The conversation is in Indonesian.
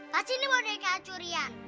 lagi ini boneka curian